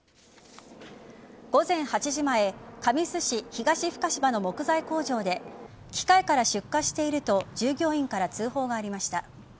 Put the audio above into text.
午前８時前神栖市東深芝の木材工場で機械から出火していると従業員から通報がありました。